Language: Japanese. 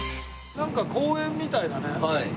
なんか公園みたいだね。